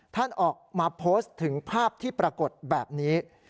ท่านออกมาโพสต์ถึงภาพที่ปรากฏแบบนี้